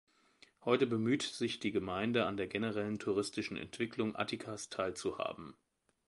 Heute bemüht sich die Gemeinde an der generellen touristischen Entwicklung Attikas teilzuhaben.